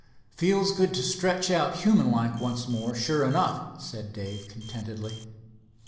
"Feels good to stretch out human like once more, sure enough," said Dave contentedly.